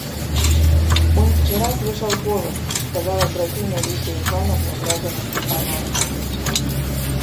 Он вчера слышал голос, — сказала графиня Лидия Ивановна, глядя на Степана Аркадьича.